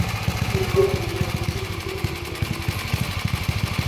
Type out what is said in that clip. The road network was significantly damaged.